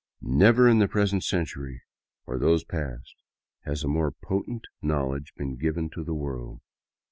Never, in the present century or those past, has a more potent knowledge been given to the world.